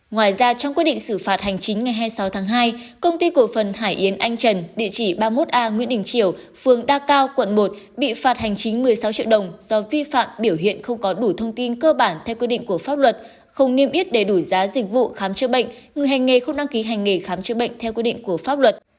ngoài ra trong quyết định xử phạt hành chính ngày hai mươi sáu tháng hai công ty cổ phần hải yến anh trần địa chỉ ba mươi một a nguyễn đình triều phường đa cao quận một bị phạt hành chính một mươi sáu triệu đồng do vi phạm biểu hiện không có đủ thông tin cơ bản theo quy định của pháp luật không niêm yết đầy đủ giá dịch vụ khám chữa bệnh người hành nghề không đăng ký hành nghề khám chữa bệnh theo quy định của pháp luật